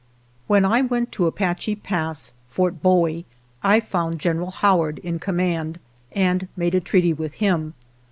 When I went to Apache Pass (Fort Bowie) I found General Howard * in com mand, and made a treaty with him.